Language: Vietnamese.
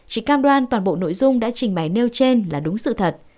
chỉ cam đoan toàn bộ nội dung đã trình bày nêu trên là đúng sự thật